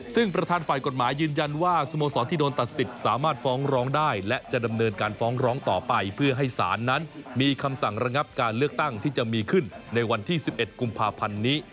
ซึ่งประธานฝ่ายกฎหมายยืนยันว่าสโมสรที่โดนตัดสิทธิ์สามารถฟ้องร้องได้และจะดำเนินการฟ้องร้องต่อไปเพื่อให้ศาลนั้นมีคำสั่งระงับการเลือกตั้งที่จะมีขึ้นในวันที่๑๑กุมภาพันธ์นี้